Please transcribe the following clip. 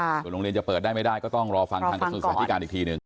เดี๋ยวโรงเรียนจะเปิดได้ไม่ได้ก็ต้องรอฟังทางกระทรุกสถานการณ์อีกทีหนึ่ง